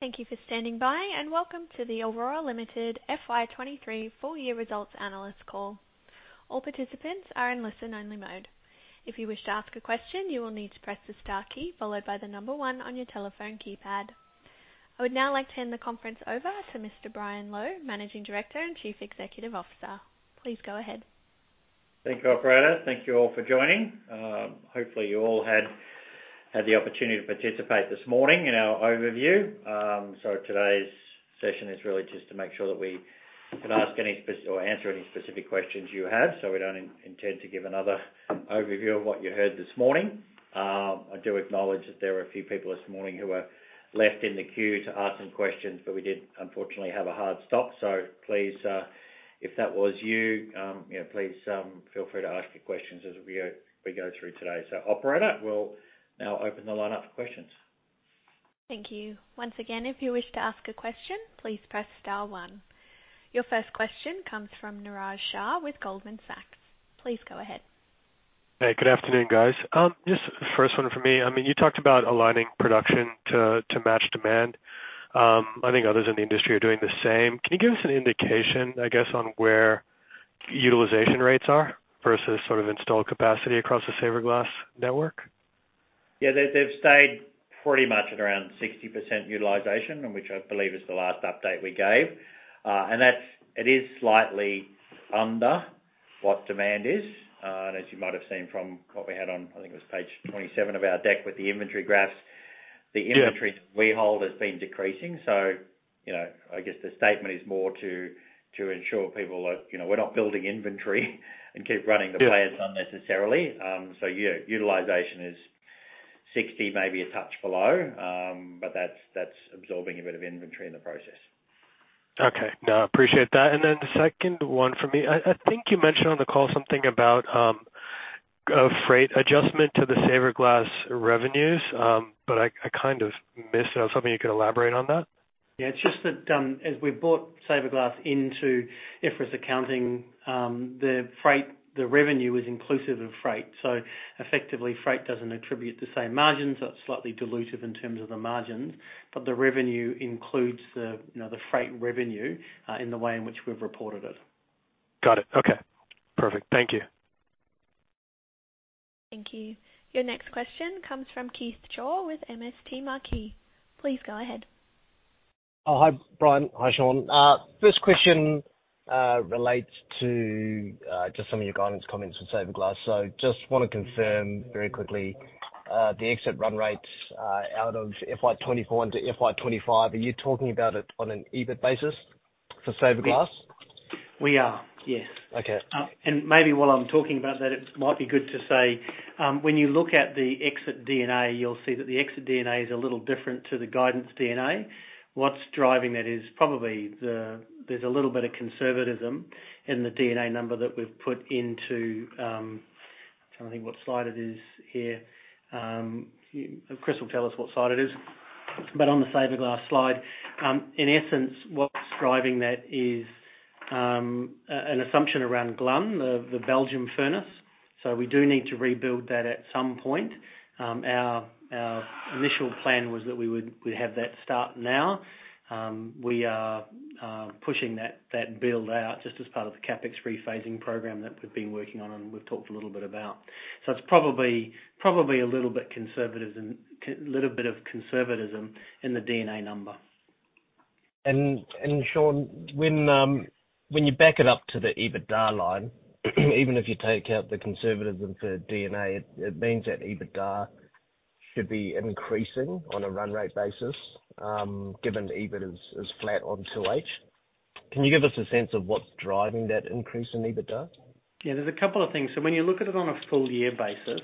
Thank you for standing by, and welcome to the Orora Limited FY 2023 full year results analyst call. All participants are in listen-only mode. If you wish to ask a question, you will need to press the star key followed by the number 1 on your telephone keypad. I would now like to hand the conference over to Mr. Brian Lowe, Managing Director and Chief Executive Officer. Please go ahead. Thank you, operator. Thank you All for joining. Hopefully, you all had the opportunity to participate this morning in our overview. So, today's session is really just to make sure that we can ask any or answer any specific questions you have, So, we don't intend to give another overview of what you heard this morning. I do acknowledge that there were a few people this morning who were left in the queue to ask So, me questions, but we did unfortunately have a hard stop. So, please, if that was you, you know, please, feel free to ask your questions as we go through today. So, operator, we'll now open the line up for questions. Thank you. Once again, if you wish to ask a question, please press star one. Your first question comes from Niraj Shah with Goldman Sachs. Please go ahead. Hey, good afternoon, guys. Just the first one for me, I mean, you talked about aligning production to match demand. I think others in the industry are doing the same. Can you give us an indication, I guess, on where utilization rates are versus So, rt of installed capacity across Saverglass network? Yeah, they've stayed pretty much at around 60% utilization, and which I believe is the last update we gave. And that's it is slightly under what demand is, and as you might have seen from what we had on, I think it was page 27 of our deck, with the inventory graphs. Yeah. The inventory we hold has been decreasing, So, you know, I guess the statement is more to ensure people that, you know, we're not building inventory and keep running- Yeah... the plants unnecessarily. So, yeah, utilization is 60, maybe a touch below. But that's absorbing a bit of inventory in the process. Okay. No, I appreciate that. And then the second one for me: I think you mentioned on the call So, mething about a freight adjustment to Saverglass revenues, but I kind of missed it. So, mething you could elaborate on that? Yeah, it's just that, as we've Saverglass into IFRS accounting, the freight, the revenue is inclusive of freight. So, effectively, freight doesn't attribute the same margins. So, it's slightly dilutive in terms of the margins, but the revenue includes the, you know, the freight revenue, in the way in which we've reported it. Got it. Okay, perfect. Thank you. Thank you. Your next question comes from Keith Chau with MST Marquee. Please go ahead. Oh, hi, Brian. Hi, Sean. First question relates to just So, me of your guidance comments Saverglass. so, just want to confirm very quickly, the exit run rates out of FY 2024 into FY 2025, are you talking about it on an EBIT basis for Saverglass? We are, yes. Okay. Maybe while I'm talking about that, it might be good to say, when you look at the exit DNA, you'll see that the exit DNA is a little different to the guidance DNA. What's driving that is probably there's a little bit of conservatism in the DNA number that we've put into, trying to think what slide it is here. Chris will tell us what slide it is. But on Saverglass slide, in essence, what's driving that is an assumption around Glun, the Belgian furnace. So, we do need to rebuild that at So, me point. Our initial plan was that we would, we'd have that start now. We are pushing that build out just as part of the CapEx rephasing program that we've been working on and we've talked a little bit about. So it's probably a little bit of conservatism in the DNA number. Sean, when you back it up to the EBITDA line, even if you take out the conservatism for DNA, it means that EBITDA should be increasing on a run rate basis, given the EBIT is flat on 2H. Can you give us a sense of what's driving that increase in EBITDA? Yeah, there's a couple of things. So, when you look at it on a full year basis,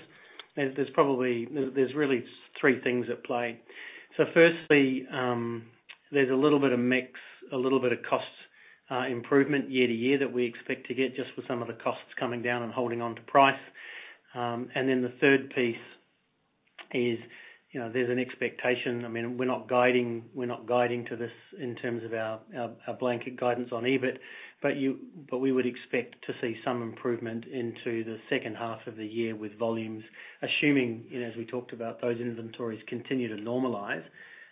there's really three things at play. So, firstly, there's a little bit of mix, a little bit of cost improvement year to year that we expect to get just with So, me of the costs coming down and holding on to price. And then the third piece is, you know, there's an expectation, I mean, we're not guiding, we're not guiding to this in terms of our blanket guidance on EBIT, but we would expect to see So, me improvement into the second half of the year with volumes, assuming, you know, as we talked about, those inventories continue to normalize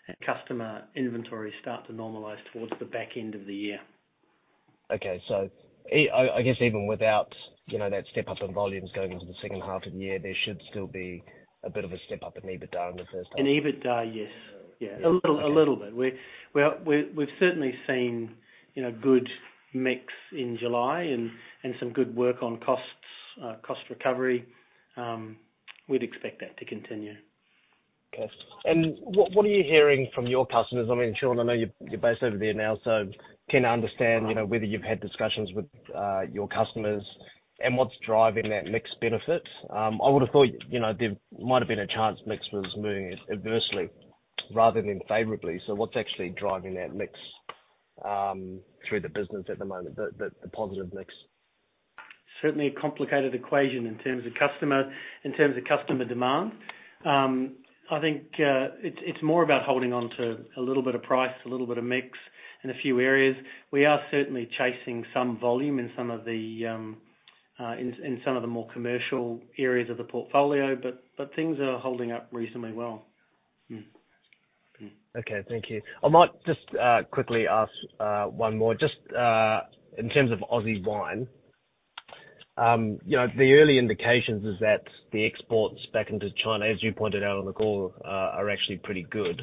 and customer inventories start to normalize towards the back end of the year. Okay. So, I guess even without, you know, that step up in volumes going into the second half of the year, there should still be a bit of a step up in EBITDA in the first half. In EBITDA, yes. Yeah. Okay. A little, a little bit. We've certainly seen, you know, good mix in July and, and So, me good work on costs, cost recovery. We'd expect that to continue. Okay. And what are you hearing from your customers? I mean, Sean, I know you're based over there now, So, keen to understand, you know, whether you've had discussions with your customers and what's driving that mix benefit. I would have thought, you know, there might have been a chance mix was moving adversely rather than favorably. So, what's actually driving that mix through the business at the moment, the positive mix? Certainly a complicated equation in terms of customer, in terms of customer demand. I think, it's more about holding on to a little bit of price, a little bit of mix in a few areas. We are certainly chasing So, me volume in So, me of the, ... in So, me of the more commercial areas of the portfolio, but things are holding up reasonably well. Mm-hmm. Okay, thank you. I might just quickly ask one more. Just in terms of Aussie wine, you know, the early indications is that the exports back into China, as you pointed out on the call, are actually pretty good.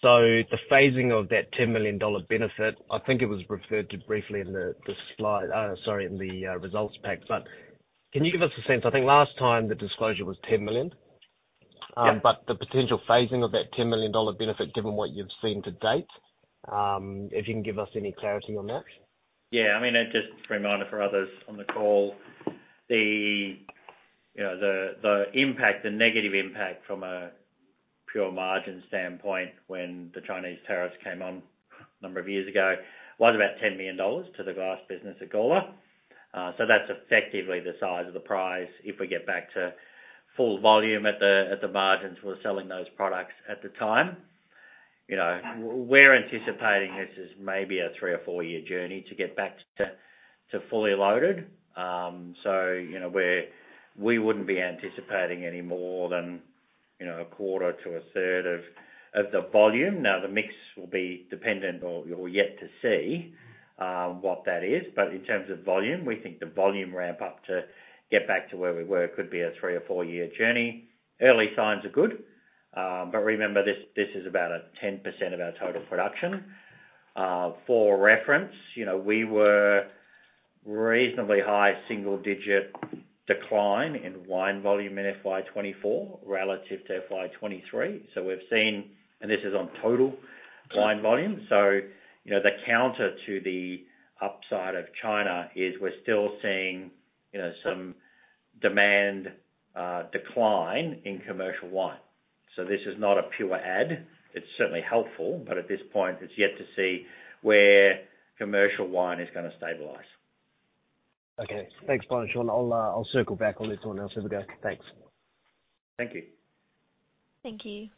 So, the phasing of that 10 million dollar benefit, I think it was referred to briefly in the results pack. But can you give us a sense? I think last time the disclosure was 10 million? Yeah. But the potential phasing of that 10 million dollar benefit, given what you've seen to date, if you can give us any clarity on that. Yeah, I mean, just a reminder for others on the call, the, you know, the impact, the negative impact from a pure margin standpoint when the Chinese tariffs came on a number of years ago, was about 10 million dollars to the glass business at Gawler. So, that's effectively the size of the prize if we get back to full volume at the margins, we're selling those products at the time. You know, we're anticipating this is maybe a 3- or 4-year journey to get back to fully loaded. So, you know, we're, we wouldn't be anticipating any more than, you know, a quarter to a third of the volume. Now, the mix will be dependent, or we're yet to see what that is. But in terms of volume, we think the volume ramp up to get back to where we were could be a 3- or 4-year journey. Early signs are good, but remember, this is about a 10% of our total production. For reference, you know, we were reasonably high single digit decline in wine volume in FY 2024 relative to FY 2023. So, we've seen. And this is on total wine volume. So, you know, the counter to the upside of China is we're still seeing, you know, So, me demand, decline in commercial wine. So, this is not a pure ad. It's certainly helpful, but at this point, it's yet to see where commercial wine is going to stabilize. Okay. Thanks a lot, Sean. I'll circle back on this one as we go. Thanks. Thank you. Thank you.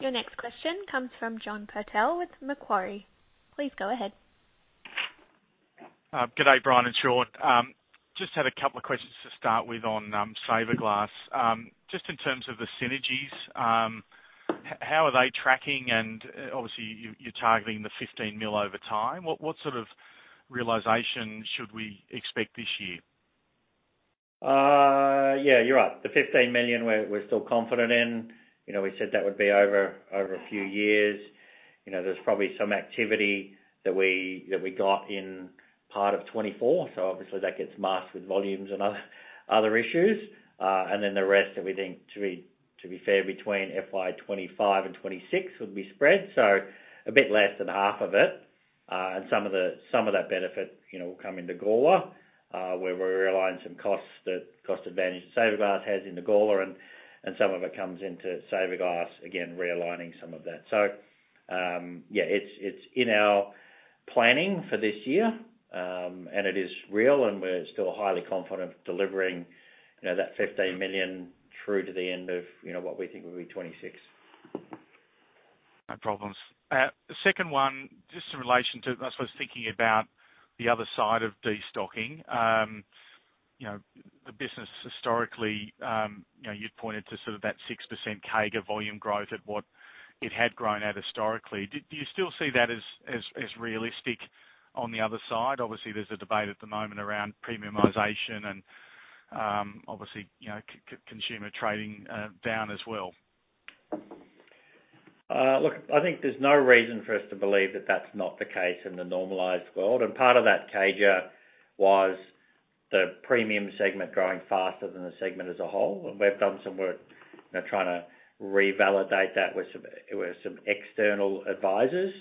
Your next question comes from John Purtell with Macquarie. Please go ahead. Good day, Brian and Sean. Just had a couple of questions to start with Saverglass. just in terms of the synergies, how are they tracking? And obviously, you're targeting the 15 million over time. What So, rt of realization should we expect this year? Yeah, you're right. The 15 million, we're still confident in. You know, we said that would be over a few years. You know, there's probably So, me activity that we got in part of 2024, So, obviously that gets masked with volumes and other issues. And then the rest that we think to be fair, between FY 2025 and 2026 would be spread, So, a bit less than half of it. And So, me of that benefit, you know, will come into Gawler, where we're realigning So, me costs, that cost advantage Saverglass has in the Gawler, and So, me of it comes Saverglass, again, realigning So, me of that. Yeah, it's in our planning for this year, and it is real, and we're still highly confident of delivering, you know, that 15 million through to the end of, you know, what we think will be 2026. No problems. The second one, just in relation to, as I was thinking about the other side of destocking, you know, the business historically, you know, you'd pointed to So, rt of that 6% CAGR volume growth at what it had grown at historically. Do you still see that as realistic on the other side? Obviously, there's a debate at the moment around premiumization and, obviously, you know, consumer trading down as well. Look, I think there's no reason for us to believe that that's not the case in the normalized world, and part of that CAGR was the premium segment growing faster than the segment as a whole. We've done So, me work, you know, trying to revalidate that with So, me external advisors,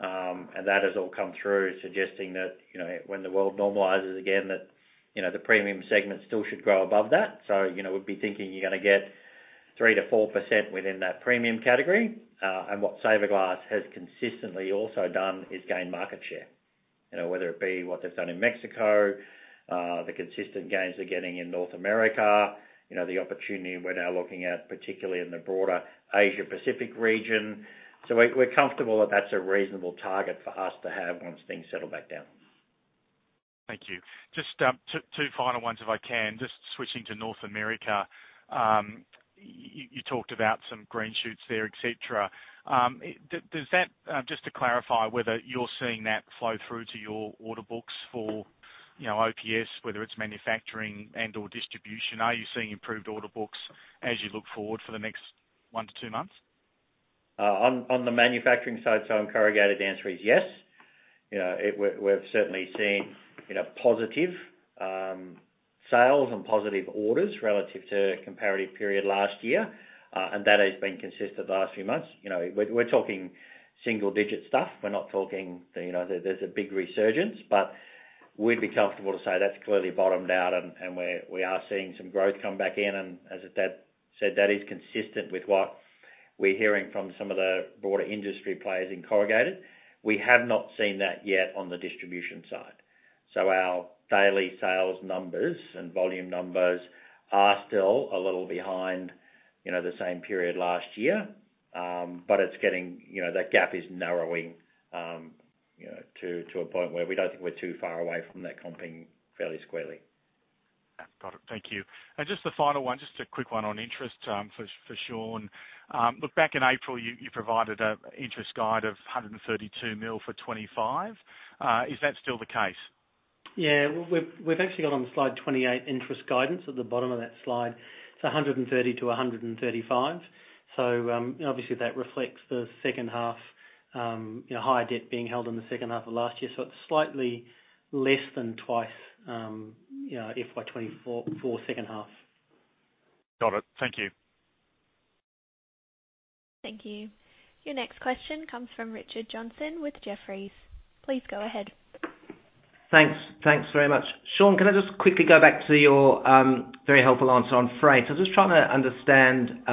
and that has all come through, suggesting that, you know, when the world normalizes again, that, you know, the premium segment still should grow above that. So, you know, we'd be thinking you're gonna get 3%-4% within that premium category, and Saverglass has consistently also done is gain market share. You know, whether it be what they've done in Mexico, the consistent gains they're getting in North America, you know, the opportunity we're now looking at, particularly in the broader Asia-Pacific region. So we're comfortable that that's a reasonable target for us to have once things settle back down. Thank you. Just 2 final ones, if I can. Just switching to North America, you talked about So, me green shoots there, et cetera. Just to clarify whether you're seeing that flow through to your order books for, you know, OPS, whether it's manufacturing and/or distribution, are you seeing improved order books as you look forward for the next 1-2 months? On the manufacturing side, So, corrugated, the answer is yes. You know, we've certainly seen, you know, positive sales and positive orders relative to comparative period last year, and that has been consistent the last few months. You know, we're talking single digit stuff. We're not talking, you know, there's a big resurgence, but we'd be comfortable to say that's clearly bottomed out, and we are seeing So, me growth come back in, and as that said, that is consistent with what we're hearing from So, me of the broader industry players in corrugated. We have not seen that yet on the distribution side. So, our daily sales numbers and volume numbers are still a little behind, you know, the same period last year. But it's getting, you know, that gap is narrowing, you know, to a point where we don't think we're too far away from that coming fairly squarely. Got it. Thank you. Just a final one, just a quick one on interest, for Sean. Look back in April, you provided an interest guide of 132 million for 2025. Is that still the case? Yeah, we've actually got on slide 28, interest guidance at the bottom of that slide. It's 130-135. So, obviously, that reflects the second half, you know, higher debt being held in the second half of last year. So, it's slightly less than twice, you know, FY 2024, for second half. Got it. Thank you. Thank you. Your next question comes from Richard Johnson with Jefferies. Please go ahead. Thanks. Thanks very much. Sean, can I just quickly go back to your very helpful answer on freight? I'm just trying to understand,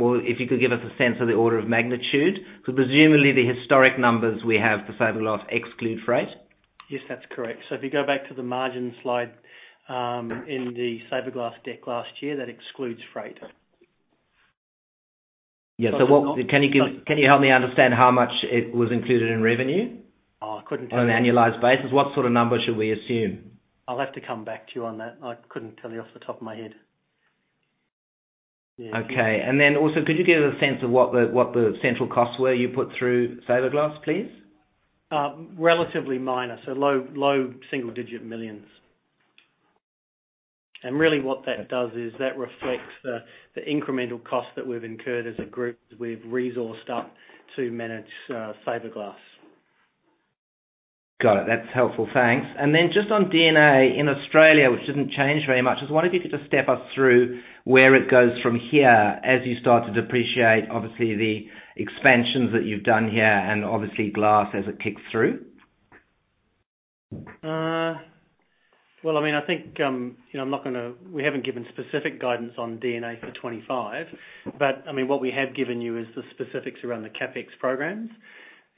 well, if you could give us a sense of the order of magnitude, So, presumably the historic numbers we have Saverglass exclude freight? Yes, that's correct. So, if you go back to the margin slide, in Saverglass deck last year, that excludes freight. Yeah. So, what- Go- Can you help me understand how much it was included in revenue? Oh, I couldn't tell you. On an annualized basis, what So, rt of number should we assume? I'll have to come back to you on that. I couldn't tell you off the top of my head. Yeah. Okay. Then also, could you give a sense of what the, what the central costs were you put Saverglass, please? Relatively minor, So, low single-digit millions. Really, what that does is that reflects the incremental cost that we've incurred as a group. We've resourced up to manage Saverglass. Got it. That's helpful. Thanks. And then just on DNA in Australia, which didn't change very much, I was wondering if you could just step us through where it goes from here as you start to depreciate, obviously, the expansions that you've done here and obviously glass as it kicks through. Well, I mean, you know, we haven't given specific guidance on DNA for 25, but I mean, what we have given you is the specifics around the CapEx programs.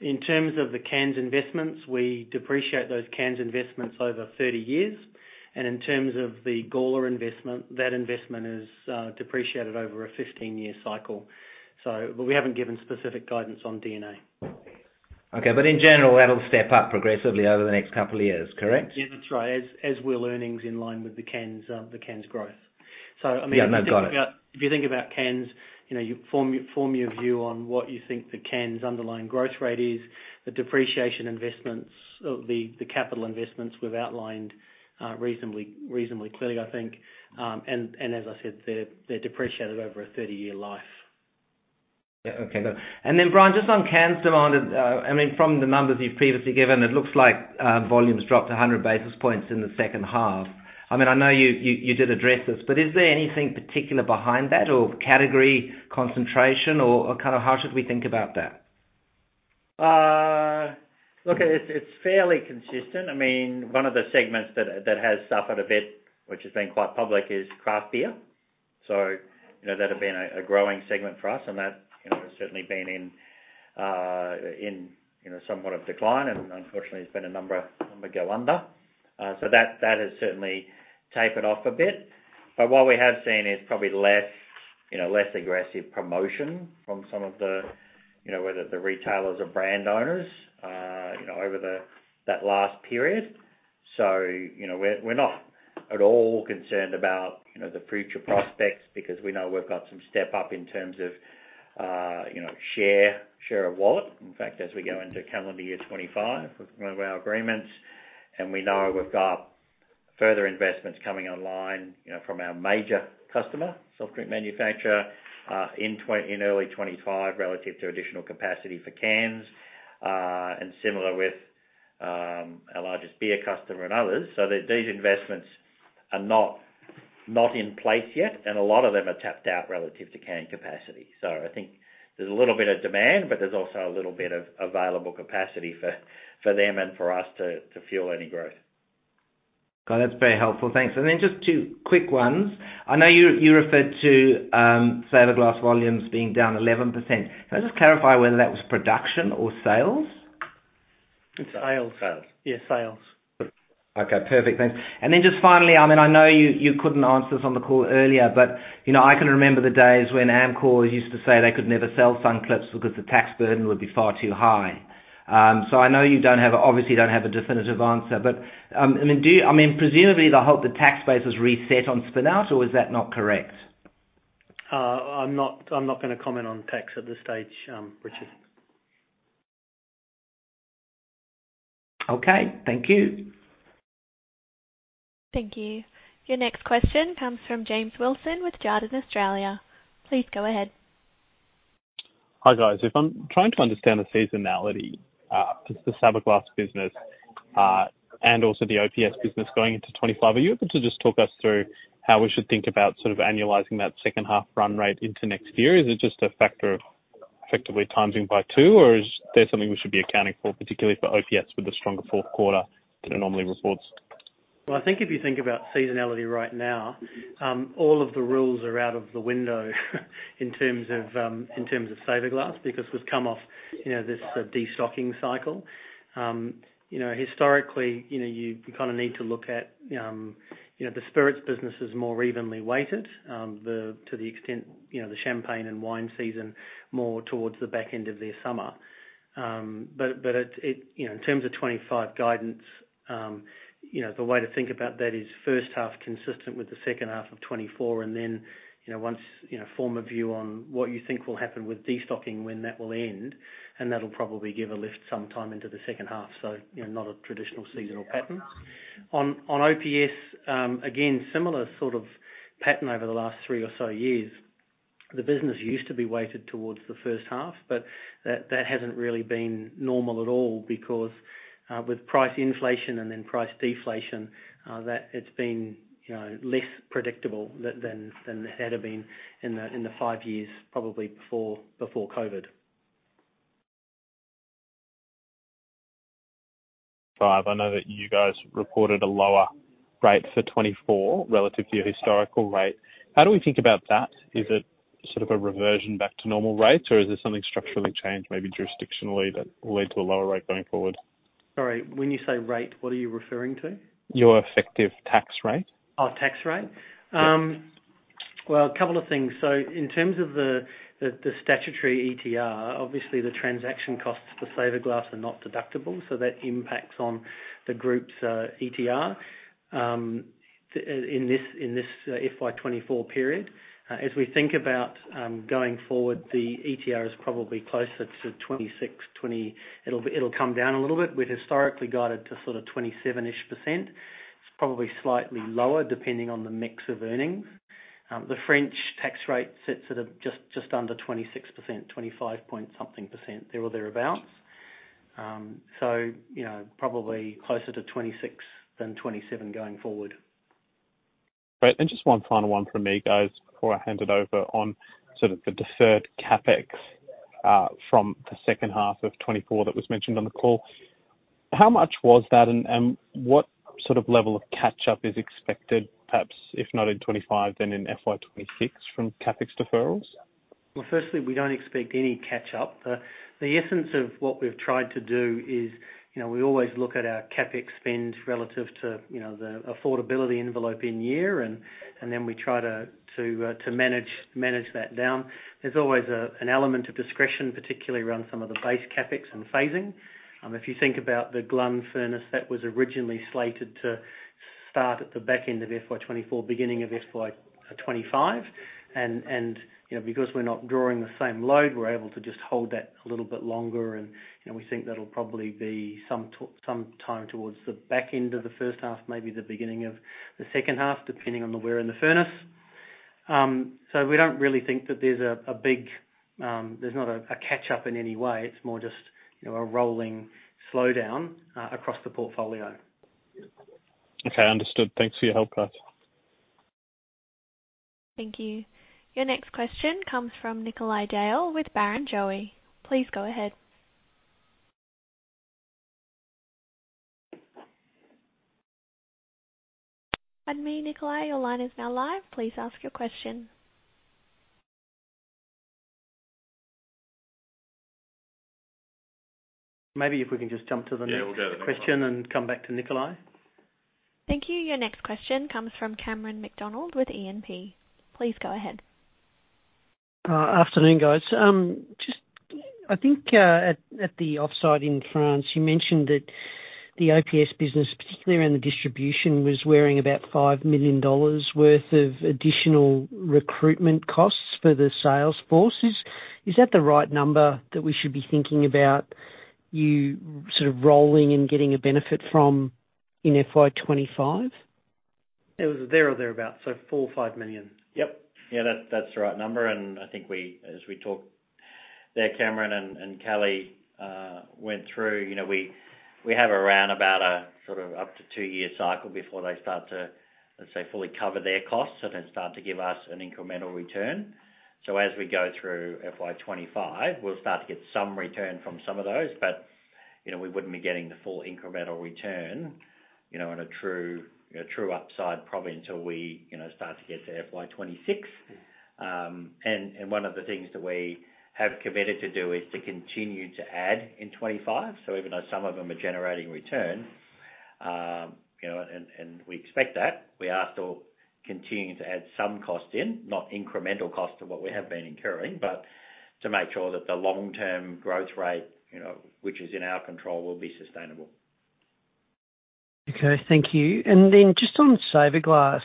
In terms of the cans investments, we depreciate those cans investments over 30 years. And in terms of the Gawler investment, that investment is depreciated over a 15-year cycle. But we haven't given specific guidance on DNA. Okay, but in general, that'll step up progressively over the next couple of years, correct? Yeah, that's right. As will earnings in line with the cans growth. Yeah, no, got it. So, I mean, if you think about cans, you know, you form your view on what you think the cans' underlying growth rate is, the depreciation investments of the capital investments we've outlined reasonably clearly, I think. And as I said, they're depreciated over a 30-year life. Yeah. Okay, good. And then, Brian, just on cans demand, I mean, from the numbers you've previously given, it looks like volumes dropped 100 basis points in the second half. I mean, I know you did address this, but is there anything particular behind that or category concentration or kind of how should we think about that? Look, it's fairly consistent. I mean, one of the segments that has suffered a bit, which has been quite public, is craft beer. So, you know, that has been a growing segment for us, and that, you know, has certainly been in in you know So, mewhat of decline, and unfortunately, there's been a number of number go under. So, that has certainly tapered off a bit. But what we have seen is probably less you know less aggressive promotion from So, me of the you know whether the retailers or brand owners you know over that last period. So, you know, we're not at all concerned about you know the future prospects because we know we've got So, me step up in terms of you know share of wallet. In fact, as we go into calendar year 2025 with one of our agreements, and we know we've got further investments coming online, you know, from our major customer, So, ft drink manufacturer, in early 2025 relative to additional capacity for cans, and similar with our largest beer customer and others. So, these investments are not in place yet, and a lot of them are tapped out relative to can capacity. So, I think there's a little bit of demand, but there's also a little bit of available capacity for them and for us to fuel any growth. Got it. That's very helpful. Thanks. And then just two quick ones. I know you referred Saverglass volumes being down 11%. Can I just clarify whether that was production or sales? It's sales. Sales. Yeah, sales. Okay, perfect. Thanks. And then just finally, I mean, I know you couldn't answer this on the call earlier, but, you know, I can remember the days when Amcor used to say they could never sell Sunclips because the tax burden would be far too high. So, I know you don't have, obviously don't have a definitive answer, but, I mean, do you, I mean, presumably, the whole, the tax base was reset on spinout, or is that not correct? I'm not, I'm not gonna comment on tax at this stage, Richard. Okay, thank you. Thank you. Your next question comes from James Wilson with Jardene Australia. Please go ahead. Hi, guys. If I'm trying to understand the seasonality to Saverglass business, and also the OPS business going into 2025, are you able to just talk us through how we should think about So, rt of annualizing that second half run rate into next year? Is it just a factor of effectively timing by 2, or is there So, mething we should be accounting for, particularly for OPS, with the stronger fourth quarter that it normally reports? ... Well, I think if you think about seasonality right now, all of the rules are out of the window, in terms of, in terms Saverglass, because we've come off, you know, this, destocking cycle. You know, historically, you know, you kinda need to look at, you know, the spirits business is more evenly weighted, to the extent, you know, the champagne and wine season, more towards the back end of their summer. But, you know, in terms of 2025 guidance, you know, the way to think about that is first half consistent with the second half of 2024, and then, you know, once, you know, form a view on what you think will happen with destocking, when that will end, and that'll probably give a lift So, metime into the second half. So, you know, not a traditional seasonal pattern. On OPS, again, similar So, rt of pattern over the last three or So, years. The business used to be weighted towards the first half, but that hasn't really been normal at all, because with price inflation and then price deflation, that it's been, you know, less predictable than it had been in the five years, probably before COVID. Five, I know that you guys reported a lower rate for 2024 relative to your historical rate. How do we think about that? Is it So, rt of a reversion back to normal rates, or is there So, mething structurally changed, maybe jurisdictionally, that will lead to a lower rate going forward? Sorry, when you say rate, what are you referring to? Your effective tax rate. Oh, tax rate? Yep. Well, a couple of things. So, in terms of the statutory ETR, obviously the transaction costs Saverglass are not deductible, So, that impacts on the group's ETR. In this FY 2024 period. As we think about going forward, the ETR is probably closer to 26, 20... It'll come down a little bit. We've historically guided to So, rt of 27-ish%. It's probably slightly lower, depending on the mix of earnings. The French tax rate sits at just under 26%, 25-point-something%, there or thereabouts. So, you know, probably closer to 26 than 27 going forward. Great. Just one final one from me, guys, before I hand it over. On So, rt of the deferred CapEx from the second half of 2024 that was mentioned on the call, how much was that? And what So, rt of level of catch up is expected, perhaps if not in 2025, then in FY 2026, from CapEx deferrals? Well, firstly, we don't expect any catch-up. The essence of what we've tried to do is, you know, we always look at our CapEx spend relative to, you know, the affordability envelope in year, and then we try to manage that down. There's always an element of discretion, particularly around So, me of the base CapEx and phasing. If you think about the G3 furnace, that was originally slated to start at the backend of FY 2024, beginning of FY 2025. And, you know, because we're not drawing the same load, we're able to just hold that a little bit longer and, you know, we think that'll probably be So, me time towards the back end of the first half, maybe the beginning of the second half, depending on the wear in the furnace. So we don't really think that there's not a catch up in any way. It's more just, you know, a rolling slowdown across the portfolio. Okay, understood. Thanks for your help, guys. Thank you. Your next question comes from Nikolai Dale with Barrenjoey. Please go ahead. Pardon me, Nikolai, your line is now live. Please ask your question. Maybe if we can just jump to the next- Yeah, we'll go to the- question and come back to Nikolai. Thank you. Your next question comes from Cameron McDonald with E&P. Please go ahead. Afternoon, guys. Just I think, at the offsite in France, you mentioned that the OPS business, particularly around the distribution, was wearing about $5 million worth of additional recruitment costs for the sales force. Is that the right number that we should be thinking about, you So, rt of rolling and getting a benefit from in FY 2025? It was there or thereabouts, So, 4 million or 5 million. Yep. Yeah, that's, that's the right number, and I think we, as we talked there, Cameron and, and Kelly went through, you know, we, we have around about a So, rt of up to two-year cycle before they start to, let's say, fully cover their costs and then start to give us an incremental return. So, as we go through FY 25, we'll start to get So, me return from So, me of those. But, you know, we wouldn't be getting the full incremental return, you know, on a true, a true upside, probably until we, you know, start to get to FY 26. And, and one of the things that we have committed to do is to continue to add in 25. So even though So, me of them are generating return, you know, and, and we expect that, we are still continuing to add So, me cost in, not incremental cost to what we have been incurring, but to make sure that the long-term growth rate, you know, which is in our control, will be sustainable. Okay, thank you. And then just Saverglass,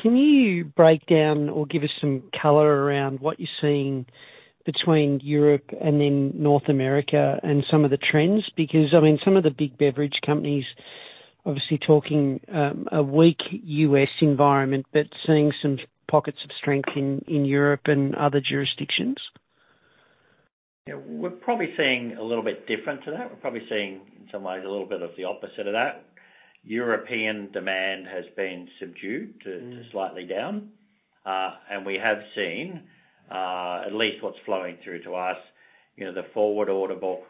can you break down or give us So, me color around what you're seeing between Europe and then North America and So, me of the trends? Because, I mean, So, me of the big beverage companies obviously talking a weak US environment, but seeing So, me pockets of strength in Europe and other jurisdictions. Yeah. We're probably seeing a little bit different to that. We're probably seeing, in So, me ways, a little bit of the opposite of that. European demand has been subdued- Mm. to slightly down, and we have seen at least what's flowing through to us, you know, the forward order book,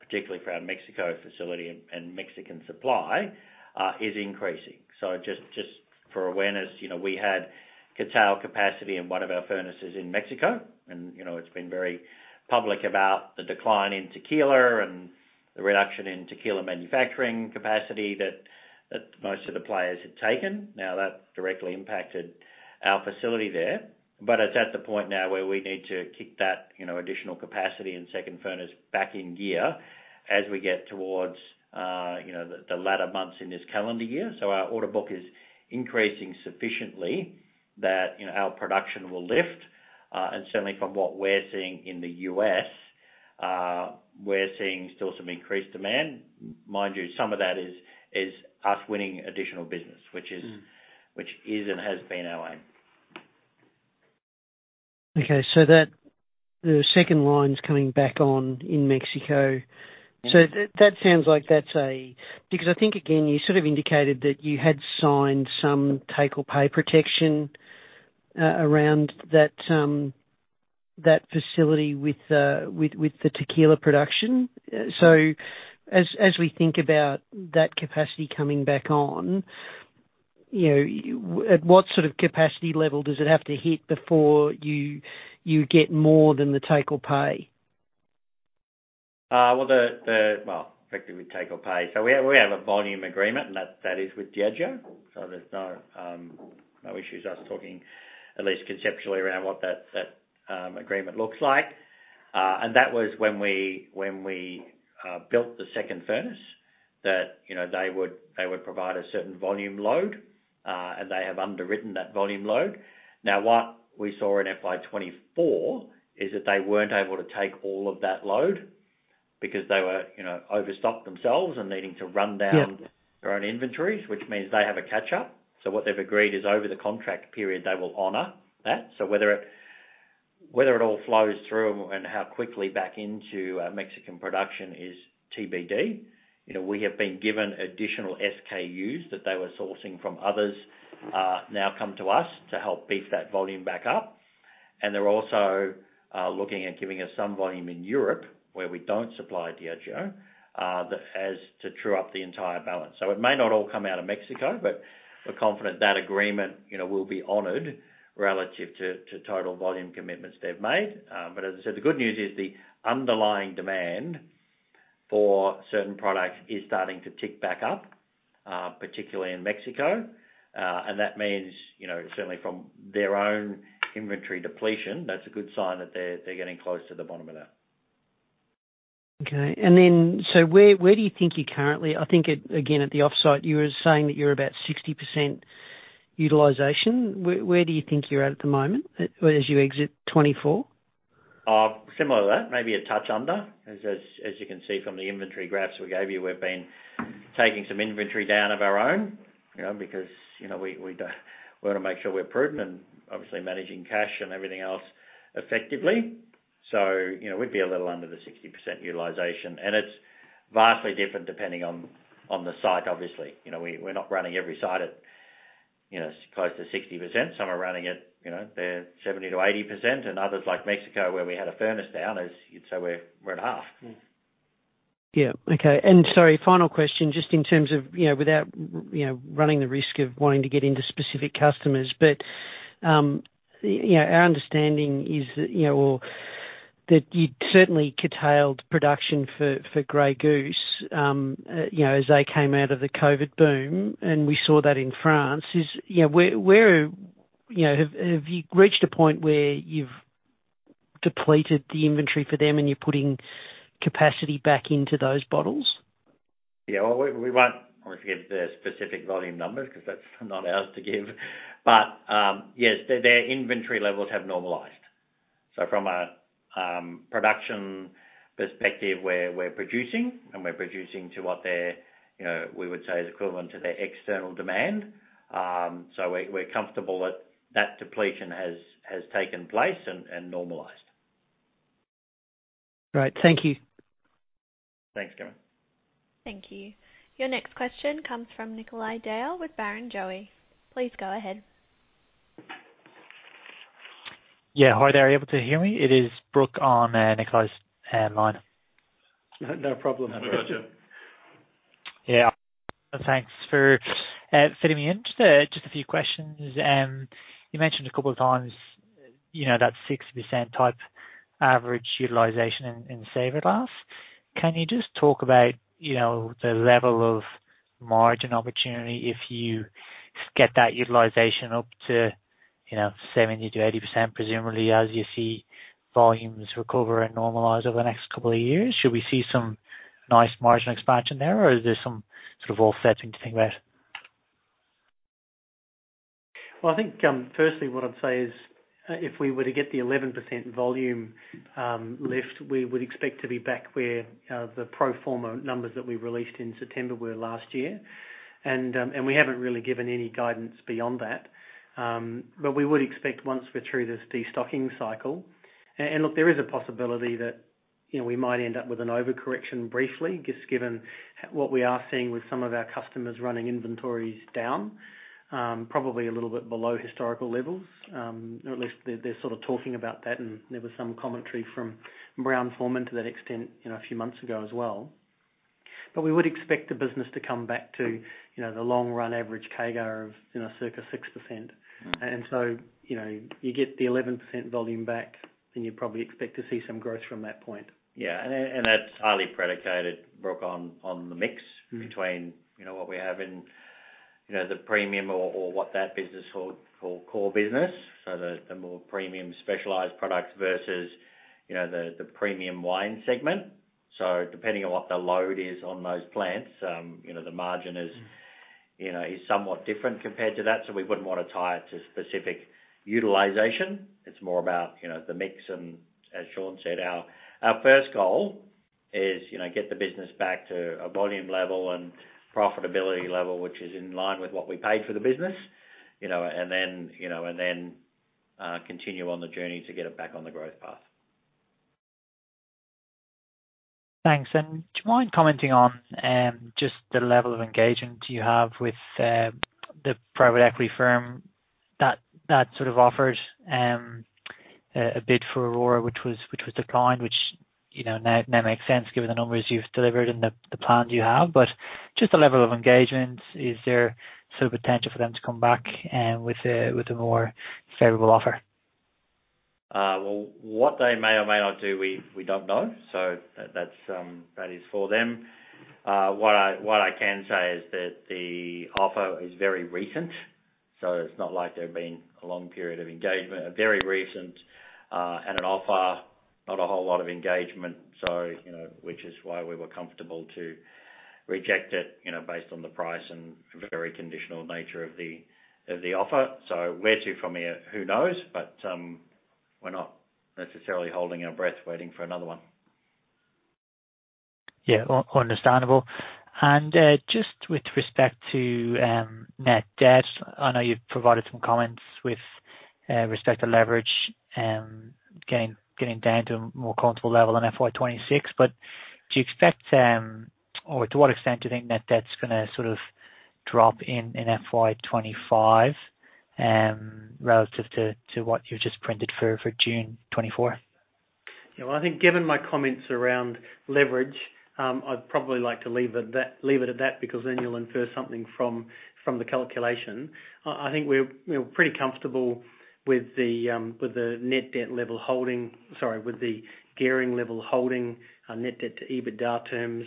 particularly for our Mexico facility and Mexican supply, is increasing. So, just for awareness, you know, we had curtail capacity in one of our furnaces in Mexico, and, you know, it's been very public about the decline in tequila and the reduction in tequila manufacturing capacity that most of the players had taken. Now, that directly impacted our facility there, but it's at the point now where we need to kick that, you know, additional capacity and second furnace back in gear as we get towards, you know, the latter months in this calendar year. So, our order book is increasing sufficiently that, you know, our production will lift. Certainly from what we're seeing in the U.S., we're seeing still So, me increased demand. Mind you, So, me of that is us winning additional business, which is- Mm. which is and has been our aim. Okay, So, the second line's coming back on in Mexico. Yeah. So that So, unds like that's a... Because I think, again, you So, rt of indicated that you had signed So, me take-or-pay protection around that facility with, with the tequila production. So, as we think about that capacity coming back on, you know, at what So, rt of capacity level does it have to hit before you get more than the take or pay? Well, effectively take or pay. So, we have a volume agreement, and that is with Diageo. So, there's no issues us talking, at least conceptually, around what that agreement looks like. And that was when we built the second furnace that, you know, they would provide a certain volume load, and they have underwritten that volume load. Now, what we saw in FY 2024 is that they weren't able to take all of that load because they were, you know, overstocked themselves and needing to run down- Yeah -their own inventories, which means they have a catch-up. So, what they've agreed is over the contract period, they will honor that. So, whether it all flows through and how quickly back into our Mexican production is TBD. You know, we have been given additional SKUs that they were So, urcing from others, now come to us to help beef that volume back up. And they're also looking at giving us So, me volume in Europe, where we don't supply Diageo, that as to true up the entire balance. So, it may not all come out of Mexico, but we're confident that agreement, you know, will be honored relative to total volume commitments they've made. But as I said, the good news is the underlying demand for certain products is starting to tick back up, particularly in Mexico. That means, you know, certainly from their own inventory depletion, that's a good sign that they're getting close to the bottom of that. Okay. So, where, where do you think you're currently? I think, again, at the offsite, you were saying that you're about 60% utilization. Where, where do you think you're at the moment, as you exit 2024? Similar to that, maybe a touch under. As you can see from the inventory graphs we gave you, we've been taking So, me inventory down of our own, you know, because, you know, we wanna make sure we're prudent and obviously managing cash and everything else effectively. So, you know, we'd be a little under the 60% utilization, and it's vastly different depending on the site, obviously. You know, we're not running every site at, you know, close to 60%. So, me are running at, you know, their 70%-80%, and others, like Mexico, where we had a furnace down, as you'd say, we're at 50%. Yeah. Okay, and So, rry, final question, just in terms of, you know, without you know, running the risk of wanting to get into specific customers. But, you know, our understanding is that, you know, or that you certainly curtailed production for Gray Goose, you know, as they came out of the COVID boom, and we saw that in France. Is, you know, where have you reached a point where you've depleted the inventory for them and you're putting capacity back into those bottles? Yeah, well, we won't get into the specific volume numbers because that's not ours to give. But, yes, their inventory levels have normalized. So, from a production perspective, we're producing, and we're producing to what their, you know, we would say, is equivalent to their exter nal demand. So, we're comfortable that that depletion has taken place and normalized. Great. Thank you. Thanks, Cameron. Thank you. Your next question comes from Nikolai Dale with Barrenjoey. Please go ahead. Yeah. Hi, there. Are you able to hear me? It is Brooke on, Nikolai's line. No problem. No worries. Yeah. Thanks for fitting me in. Just a few questions. You mentioned a couple of times, you know, that 6% type average utilization Saverglass. can you just talk about, you know, the level of margin opportunity if you get that utilization up to, you know, 70%-80%, presumably as you see volumes recover and normalize over the next couple of years? Should we see So, me nice margin expansion there, or is there So, me So, rt of offsetting to think about? Well, I think, firstly, what I'd say is, if we were to get the 11% volume lift, we would expect to be back where the pro forma numbers that we released in September were last year. And, and we haven't really given any guidance beyond that. But we would expect once we're through this destocking cycle... and look, there is a possibility that-... you know, we might end up with an overcorrection briefly, just given what we are seeing with So, me of our customers running inventories down, probably a little bit below historical levels. Or at least they're So, rt of talking about that, and there was So, me commentary from Brown-Forman to that extent, you know, a few months ago as well. But we would expect the business to come back to, you know, the long run average CAGR of, you know, circa 6%. And So, you know, you get the 11% volume back, and you probably expect to see So, me growth from that point. Yeah, that's highly predicated, Brooke, on the mix- Mm-hmm. - between, you know, what we have in, you know, the premium or what that business called core business. So, the more premium specialized products versus, you know, the premium wine segment. So, depending on what the load is on those plants, you know, the margin is- Mm. You know, is So, mewhat different compared to that. So, we wouldn't want to tie it to specific utilization. It's more about, you know, the mix. And as Sean said, our first goal is, you know, get the business back to a volume level and profitability level, which is in line with what we paid for the business, you know, and then, you know, and then continue on the journey to get it back on the growth path. Thanks. And do you mind commenting on just the level of engagement you have with the private equity firm that So, rt of offered a bid for Orora, which was declined, which you know now makes sense given the numbers you've delivered and the plan you have. But just the level of engagement, is there still potential for them to come back with a more favorable offer? Well, what they may or may not do, we don't know. So, that's, that is for them. What I can say is that the offer is very recent, So, it's not like there's been a long period of engagement. A very recent, and an offer, not a whole lot of engagement, So, you know, which is why we were comfortable to reject it, you know, based on the price and very conditional nature of the offer. So, where to from here? Who knows? Bu`t, some we're not necessarily holding our breath waiting for another one. Yeah, understandable. And, just with respect to, net debt, I know you've provided So, me comments with, respect to leverage, getting down to a more comfortable level in FY 2026. But do you expect, or to what extent do you think net debt's goanna Sort of drop in, in FY 2025, relative to, to what you've just printed for, for June 2024? Yeah. Well, I think given my comments around leverage, I'd probably like to leave it at that, because then you'll infer So, mething from the calculation. I think we're, you know, pretty comfortable with the net debt level holding. So, rry, with the gearing level holding, net debt to EBITDA terms,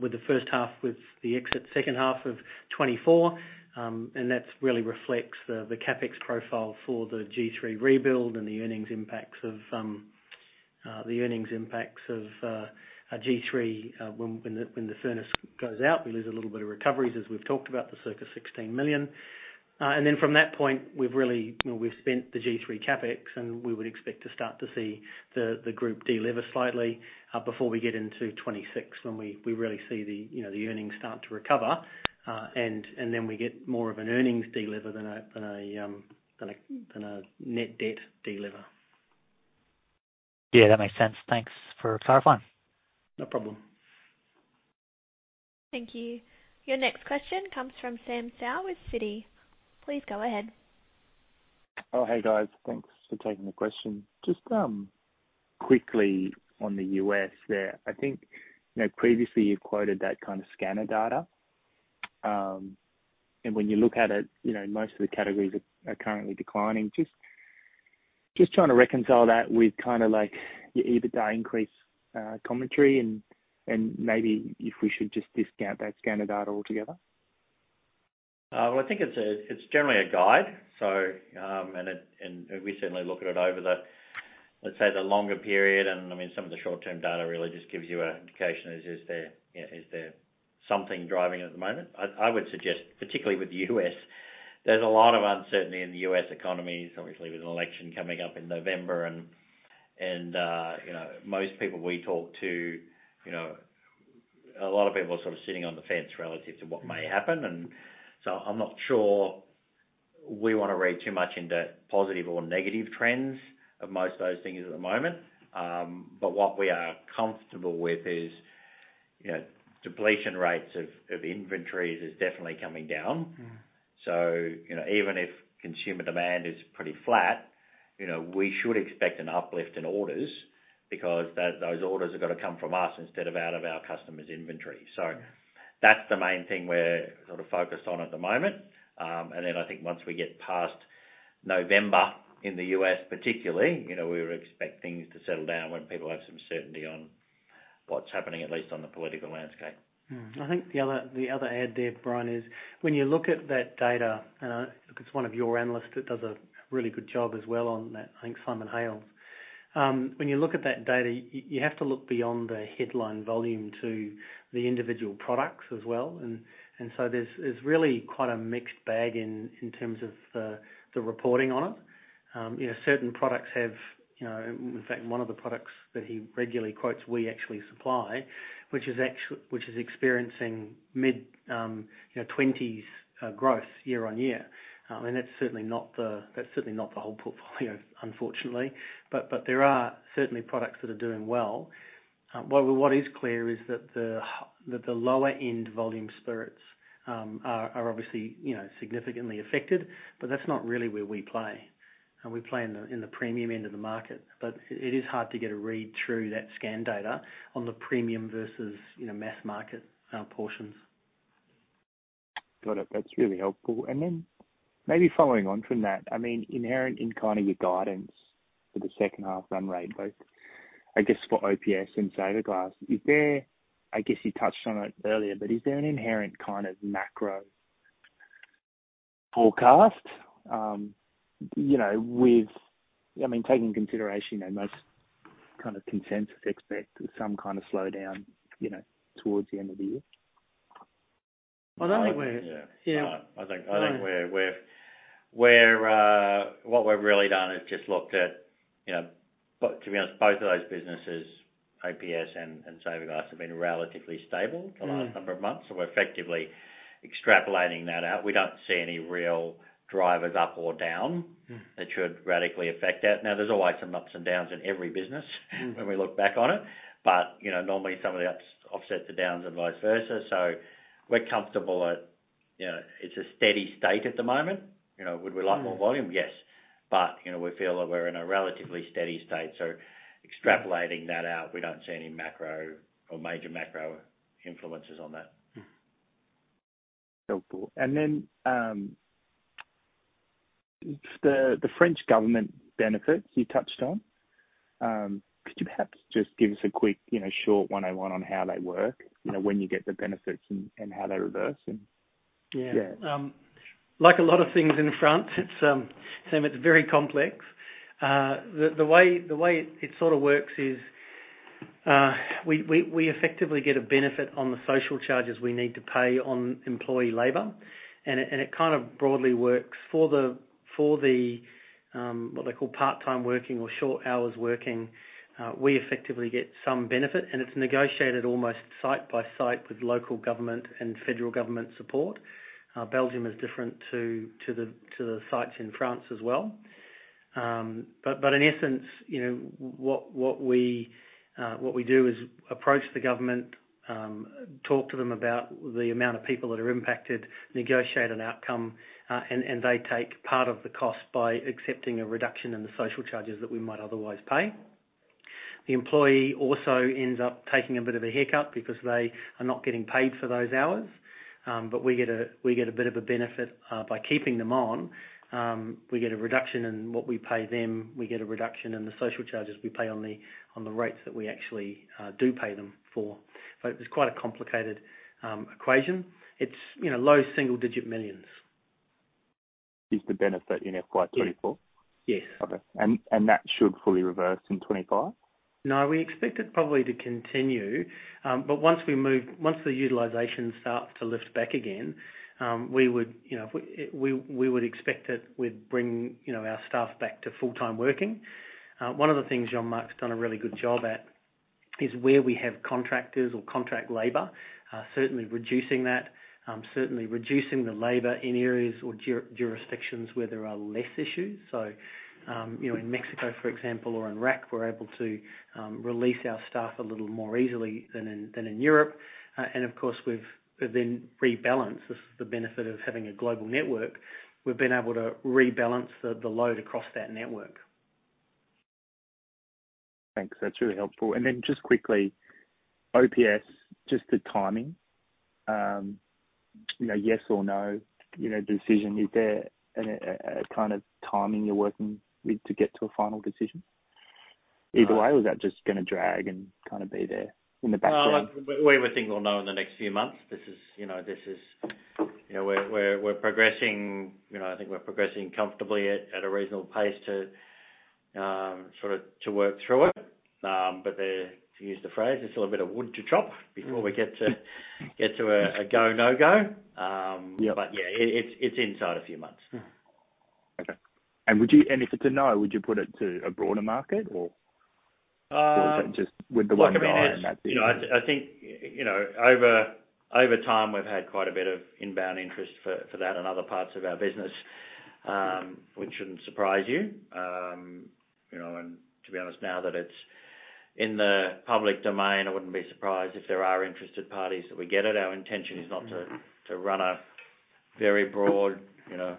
with the first half, with the exit second half of 2024. And that really reflects the CapEx profile for the G3 rebuild and the earnings impacts of G3, when the furnace goes out, we lose a little bit of recoveries, as we've talked about, the circa 16 million. And then from that point, we've really, you know, we've spent the G3 CapEx, and we would expect to start to see the group de-lever slightly, before we get into 2026, when we really see the, you know, the earnings start to recover. And then we get more of an earnings de-lever than a net debt de-lever. Yeah, that makes sense. Thanks for clarifying. No problem. Thank you. Your next question comes from Sam Seow with Citi. Please go ahead. Oh, hey, guys. Thanks for taking the question. Just quickly on the US there, I think, you know, previously you've quoted that kind of scanner data. And when you look at it, you know, most of the categories are currently declining. Just trying to reconcile that with kind of like your EBITDA increase commentary and maybe if we should just discount that scanner data altogether. Well, I think it's generally a guide, So,. And we certainly look at it over, let's say, the longer period, and I mean, So, me of the short-term data really just gives you an indication, is there, you know, is there So, mething driving at the moment? I would suggest, particularly with the U.S., there's a lot of uncertainty in the U.S. economy, obviously with an election coming up in November. And, you know, most people we talk to, you know, a lot of people are So, rt of sitting on the fence relative to what may happen. And So, I'm not sure we want to read too much into positive or negative trends of most of those things at the moment. But what we are comfortable with is, you know, depletion rates of inventories is definitely coming down. Mm. So, you know, even if consumer demand is pretty flat, you know, we should expect an uplift in orders because those orders have got to come from us instead of out of our customers' inventory. Mm. So that's the main thing we're So, rt of focused on at the moment. And then I think once we get past November, in the U.S. particularly, you know, we would expect things to settle down when people have So, me certainty on what's happening, at least on the political landscape. Mm. I think the other, the other add there, Brian, is when you look at that data, I think it's one of your analysts that does a really good job as well on that, I think Simon Hale. When you look at that data, you have to look beyond the headline volume to the individual products as well. And So, there's really quite a mixed bag in terms of the reporting on it. You know, certain products have, you know, in fact, one of the products that he regularly quotes, we actually supply, which is experiencing mid, you know, twenties growth year on year. And that's certainly not the, that's certainly not the whole portfolio, unfortunately. But there are certainly products that are doing well.... Well, what is clear is that the lower end volume spirits are obviously, you know, significantly affected, but that's not really where we play. We play in the premium end of the market. But it is hard to get a read through that scan data on the premium versus, you know, mass market portions. Got it. That's really helpful. And then maybe following on from that, I mean, inherent in kind of your guidance for the second half run rate, both, I guess, for OPS Saverglass, is there, I guess you touched on it earlier, but is there an inherent kind of macro forecast, you know, with... I mean, taking into consideration that most kind of consensus expect So, me kind of slowdown, you know, towards the end of the year? Well, I think we're- Yeah. Yeah. No, I think what we've really done is just looked at, you know, to be honest, both of those businesses, OPS Saverglass, have been relatively stable- Mm... for the last number of months, and we're effectively extrapolating that out. We don't see any real drivers up or down- Mm that should radically affect that. Now, there's always So, me ups and downs in every business. Mm -when we look back on it, but, you know, normally So, me of the ups offset the downs and vice versa. So, we're comfortable at, you know, it's a steady state at the moment. You know, would we like- Mm... more volume? Yes. But, you know, we feel that we're in a relatively steady state, So, extrapolating that out, we don't see any macro or major macro influences on that. Okay, cool. And then, the French government benefits you touched on, could you perhaps just give us a quick, you know, short 101 on how they work? You know, when you get the benefits and how they reverse, and- Yeah. Yeah. Like a lot of things in France, it's Sam, it's very complex. The way it So, rt of works is, we effectively get a benefit on the So, cial charges we need to pay on employee labor. It kind of broadly works for what they call part-time working or short hours working, we effectively get So, me benefit, and it's negotiated almost site by site with local government and federal government support. Belgium is different to the sites in France as well. But in essence, you know, what we do is approach the government, talk to them about the amount of people that are impacted, negotiate an outcome, and they take part of the cost by accepting a reduction in the So, cial charges that we might otherwise pay. The employee also ends up taking a bit of a haircut because they are not getting paid for those hours, but we get a bit of a benefit by keeping them on. We get a reduction in what we pay them, we get a reduction in the So, cial charges we pay on the rates that we actually do pay them for. But it's quite a complicated equation. It's, you know, low single-digit millions. Is the benefit in FY 2024? Yes. Yes. Okay. And that should fully reverse in 2025? No, we expect it probably to continue. But once the utilization start to lift back again, we would, you know, if we, we would expect that we'd bring, you know, our staff back to full-time working. One of the things Jean-Marc's done a really good job at is where we have contractors or contract labor, certainly reducing that, certainly reducing the labor in areas or jurisdictions where there are less issues. So, you know, in Mexico, for example, or in Iraq, we're able to release our staff a little more easily than in Europe. And of course, we've then rebalanced. This is the benefit of having a global network. We've been able to rebalance the load across that network. Thanks. That's really helpful. And then just quickly, OPS, just the timing, you know, yes or no, you know, decision, is there a kind of timing you're working with to get to a final decision either way? Uh... or is that just gonna drag and kind of be there in the background? No, we think we'll know in the next few months. This is, you know, this is. You know, we're progressing, you know. I think we're progressing comfortably at a reasonable pace to So, rt of work through it. But there, to use the phrase, there's still a bit of wood to chop- Mm before we get to a go, no-go. Yeah. But yeah, it's inside a few months. Mm, okay. And if it's a no, would you put it to a broader market or- Uh. Or is that just with the one guy and that's it? Look, I mean, it's, you know, I think, you know, over time, we've had quite a bit of inbound interest for that and other parts of our business. Mm... which shouldn't surprise you. You know, and to be honest, now that it's in the public domain, I wouldn't be surprised if there are interested parties that we get it. Our intention is not to- Mm... to run a very broad, you know,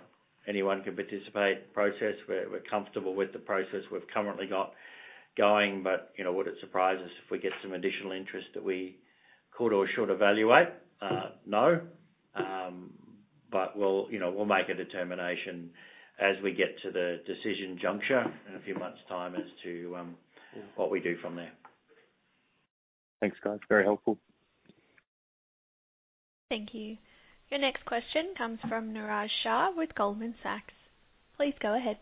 anyone can participate process. We're comfortable with the process we've currently got going. But, you know, would it surprise us if we get So, me additional interest that we could or should evaluate? No. But, you know, we'll make a determination as we get to the decision juncture in a few months' time as to, Yeah... what we do from there. Thanks, guys. Very helpful. Thank you. Your next question comes from Neeraj Shah with Goldman Sachs. Please go ahead.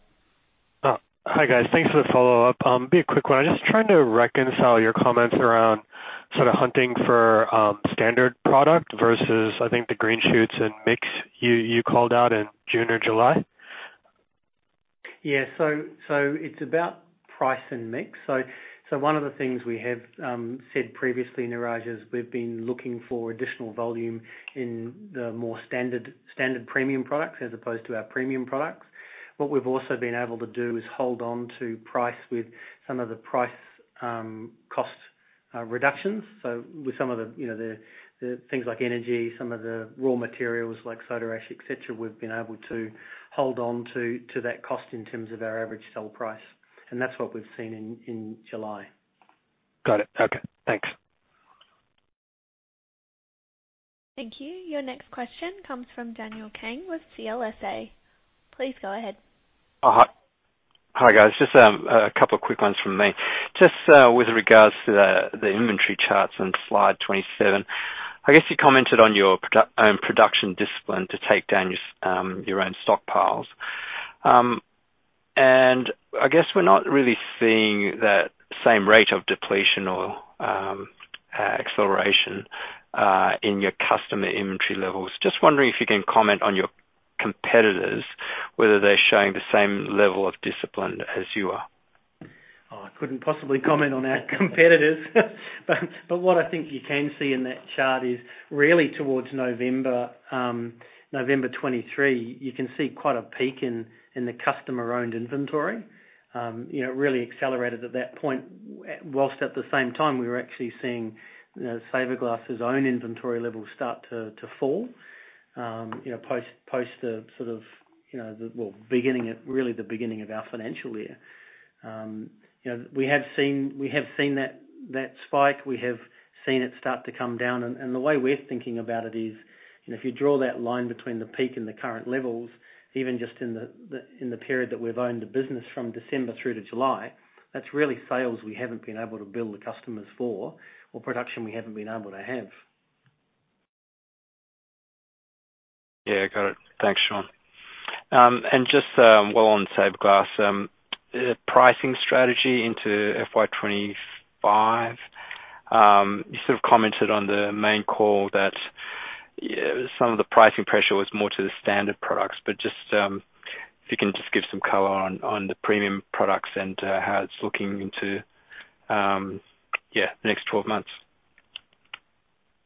Hi, guys. Thanks for the follow-up. Be a quick one. I'm just trying to reconcile your comments around So, rt of hunting for standard product versus, I think, the green shoots and mix you called out in June or July. Yeah. So, it's about price and mix. So, one of the things we have said previously, Neeraj, is we've been looking for additional volume in the more standard premium products as opposed to our premium products. What we've also been able to do is hold on to price with So, me of the price reductions. So, with So, me of the, you know, the things like energy, So, me of the raw materials, like Soda ash, et cetera, we've been able to hold on to that cost in terms of our average sell price, and that's what we've seen in July. Got it. Okay, thanks. Thank you. Your next question comes from Daniel Kang with CLSA. Please go ahead. Hi, guys. Just a couple of quick ones from me. Just with regards to the inventory charts on slide 27, I guess you commented on your production discipline to take down your own stockpiles. And I guess we're not really seeing that same rate of depletion or acceleration in your customer inventory levels. Just wondering if you can comment on your competitors, whether they're showing the same level of discipline as you are? Oh, I couldn't possibly comment on our competitors. But what I think you can see in that chart is really towards November 2023, you can see quite a peak in the customer-owned inventory. You know, it really accelerated at that point, whilst at the same time we were actually seeing, you Saverglass's own inventory levels start to fall, you know, post the So, rt of, you know, Well, really the beginning of our financial year. You know, we have seen that spike. We have seen it start to come down, and the way we're thinking about it is, you know, if you draw that line between the peak and the current levels, even just in the period that we've owned the business from December through to July, that's really sales we haven't been able to bill the customers for or production we haven't been able to have. Yeah. Got it. Thanks, Sean. And just, while Saverglass, pricing strategy into FY 25, you So, rt of commented on the main call that, yeah, So, me of the pricing pressure was more to the standard products, but just, if you can just give So, me color on the premium products and how it's looking into, yeah, the next 12 months.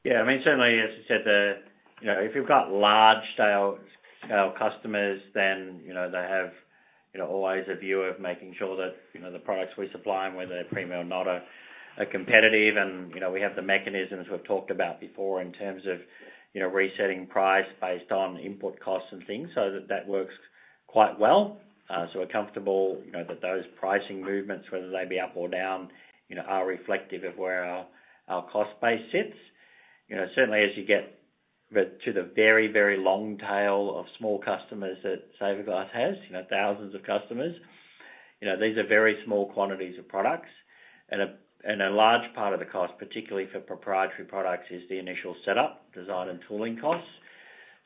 Yeah, I mean, certainly, as you said, the, you know, if you've got large-scale customers, then, you know, they have, you know, always a view of making sure that, you know, the products we supply, and whether they're premium or not, are competitive. And, you know, we have the mechanisms we've talked about before in terms of, you know, resetting price based on input costs and things, So, that works quite well. So, we're comfortable, you know, that those pricing movements, whether they be up or down, you know, are reflective of where our cost base sits. You know, certainly as you get to the very, very long tail of small customers Saverglass has, you know, thousands of customers, you know, these are very small quantities of products, and a large part of the cost, particularly for proprietary products, is the initial setup, design, and tooling costs.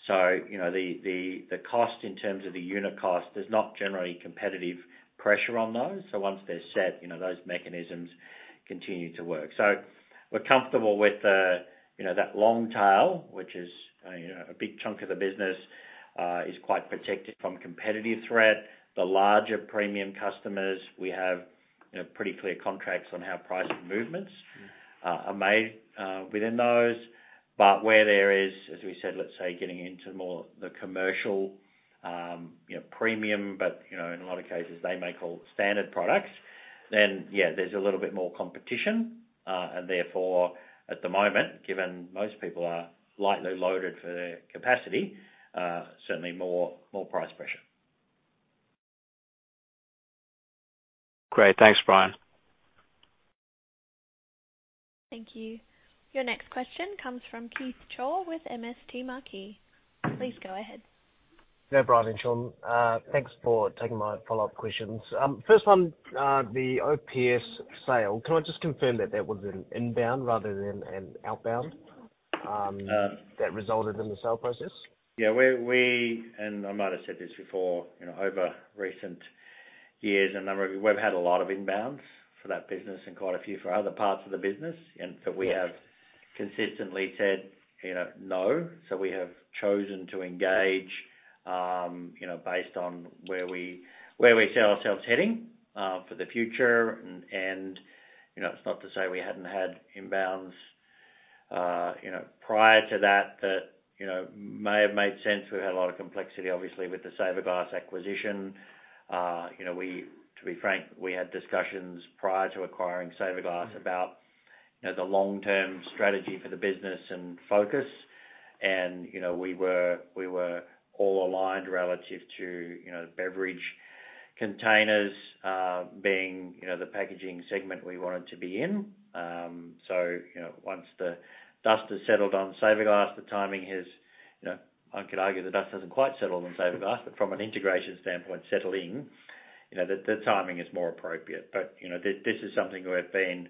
So, you know, the cost in terms of the unit cost, there's not generally competitive pressure on those. So, once they're set, you know, those mechanisms continue to work. So, we're comfortable with, you know, that long tail, which is, you know, a big chunk of the business, is quite protected from competitive threat. The larger premium customers we have, you know, pretty clear contracts on how pricing movements are made within those. But where there is, as we said, let's say, getting into more the commercial, you know, premium, but, you know, in a lot of cases they may call standard products, then, yeah, there's a little bit more competition. And therefore, at the moment, given most people are lightly loaded for their capacity, certainly more, more price pressure. Great. Thanks, Brian. Thank you. Your next question comes from Keith Chau with MST Marquee. Please go ahead. Yeah, Brian and Sean, thanks for taking my follow-up questions. First one, the OPS sale, can I just confirm that that was an inbound rather than an outbound? Uh- -that resulted in the sale process? Yeah, we and I might have said this before, you know, over recent years we've had a lot of inbounds for that business and quite a few for other parts of the business, and So, we have consistently said, you know, "No." So, we have chosen to engage, you know, based on where we see ourselves heading for the future. And, you know, it's not to say we hadn't had inbounds, you know, prior to that, you know, may have made sense. We've had a lot of complexity, obviously, with Saverglass acquisition. You know, we, to be frank, we had discussions prior to Saverglass about, you know, the long-term strategy for the business and focus, and, you know, we were all aligned relative to, you know, beverage containers being, you know, the packaging segment we wanted to be in. So, you know, once the dust has settled Saverglass, the timing has, you know, I could argue the dust hasn't quite settled Saverglass, but from an integration standpoint, settling, you know, the timing is more appropriate. But, you know, this is So, mething we've been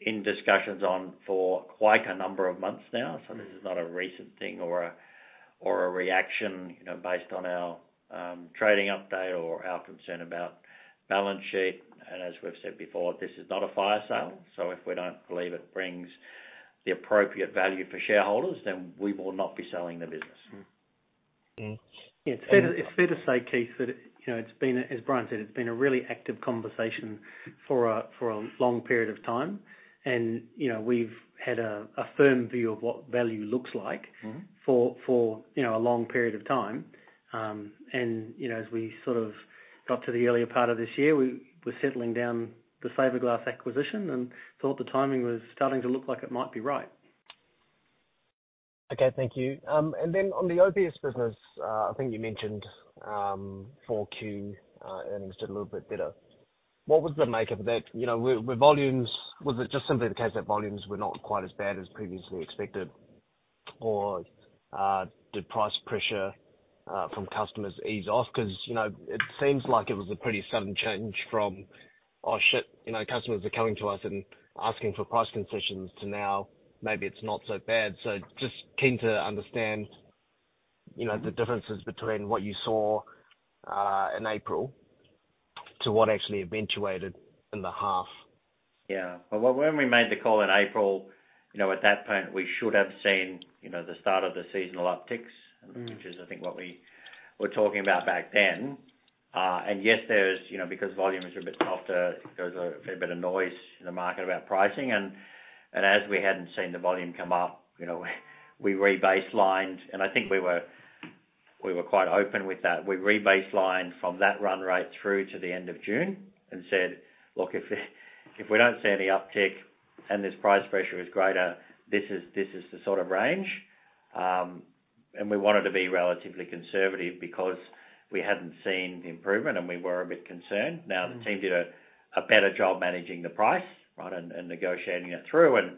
in discussions on for quite a number of months now. Mm-hmm. So this is not a recent thing or a reaction, you know, based on our trading update or our concern about balance sheet. And as we've said before, this is not a fire sale, So, if we don't believe it brings the appropriate value for shareholders, then we will not be selling the business. Mm-hmm. Okay. It's fair, it's fair to say, Keith, that, you know, it's been, as Brian said, it's been a really active conversation for a, for a long period of time. And, you know, we've had a, a firm view of what value looks like- Mm-hmm... for you know, a long period of time. You know, as we So, rt of got to the earlier part of this year, we were settling down Saverglass acquisition and thought the timing was starting to look like it might be right.... Okay, thank you. And then on the OPS business, I think you mentioned, 4Q earnings did a little bit better. What was the makeup of that? You know, with volumes, was it just simply the case that volumes were not quite as bad as previously expected? Or, did price pressure from customers ease off? 'Cause, you know, it seems like it was a pretty sudden change from, "Oh, shit, you know, customers are coming to us and asking for price concessions," to now, "Maybe it's not So, bad." So, just keen to understand, you know, the differences between what you saw in April to what actually eventuated in the half. Yeah. Well, when we made the call in April, you know, at that point, we should have seen, you know, the start of the seasonal upticks- Mm. -which is, I think, what we were talking about back then. And yes, there's, you know, because volumes are a bit So, fter, there's a fair bit of noise in the market about pricing, and, and as we hadn't seen the volume come up, you know, we rebaselined, and I think we were, we were quite open with that. We rebaselined from that run rate through to the end of June and said, "Look, if, if we don't see any uptick and this price pressure is greater, this is, this is the So, rt of range." And we wanted to be relatively conservative because we hadn't seen the improvement, and we were a bit concerned. Mm. Now, the team did a better job managing the price, right, and negotiating it through and